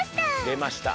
でました。